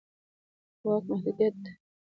د واک محدودیت د استبداد د مخنیوي مهم اصل دی